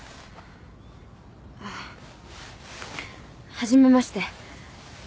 はじめまして。